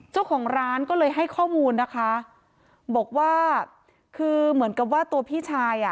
เจ้าของร้านก็เลยให้ข้อมูลนะคะบอกว่าคือเหมือนกับว่าตัวพี่ชายอ่ะ